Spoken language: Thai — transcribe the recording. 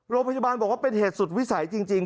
โรงพยาบาลบอกว่าเป็นเหตุสุดวิสัยจริง